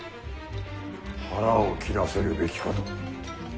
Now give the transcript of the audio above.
腹を切らせるべきかと。